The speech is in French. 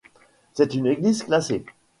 C’est une église classée.